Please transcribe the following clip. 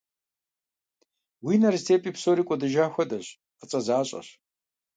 Уи нэр зэтепӀи псори кӀуэдыжа хуэдэщ, фӀыцӀэ защӀэщ.